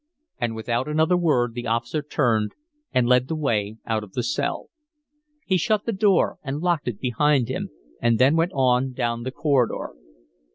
And without another word the officer turned and led the way out of the cell. He shut the door and locked it behind him and then went on down the corridor.